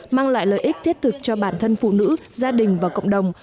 mang lại lợi ích thiết thực cho bản thân phụ nữ gia đình và cộng đồng